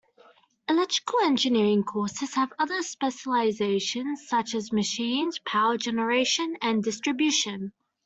"Electrical" engineering courses have other specializations such as machines, power generation and distribution.